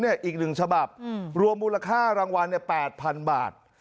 อีก๑ฉบับรวมมูลค่ารางวัล๘๐๐๐บาท